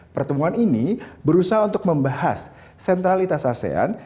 pertemuan ini berusaha untuk membahas sentralitas asean